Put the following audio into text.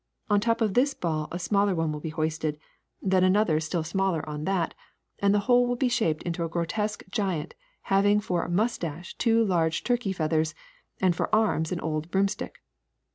On top of this ball a similar one will be hoisted, then another still 346 THE SECRET OF EVERYDAY THINGS smaller on that, and the whole will be shaped into a grotesque giant having for mustache two large tur key feathers and for arms an old broomstick.